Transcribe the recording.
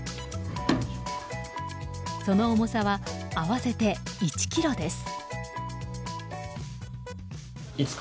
その重さは合わせて１ｋｇです。